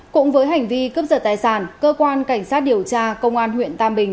cũng với hành vi cướp giật tài sản cơ quan cảnh sát điều tra công an huyện tam bình